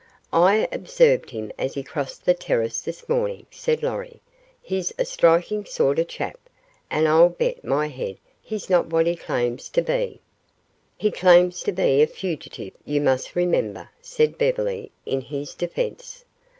"I observed him as he crossed the terrace this morning," said Lorry. "He's a striking sort of chap, and I'll bet my head he's not what he claims to be." "He claims to be a fugitive, you must remember," said Beverly, in his defense.